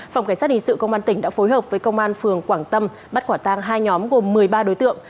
phòng cảnh sát hình sự công an tỉnh đã phối hợp với công an phường quảng tâm bắt quả tang hai nhóm gồm một mươi ba đối tượng